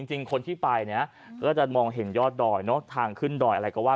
จริงคนที่ไปเนี่ยก็จะมองเห็นยอดดอยเนาะ